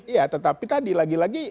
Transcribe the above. ya tetapi tadi lagi lagi